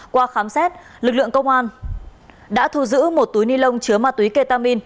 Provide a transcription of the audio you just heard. qua khám xét lực lượng công an đã thu giữ một túi ni lông chứa ma túy ketamin